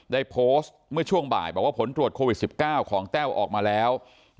ได้โพสต์เมื่อช่วงบ่ายบอกว่าผลตรวจโควิด๑๙ของแต้วออกมาแล้ว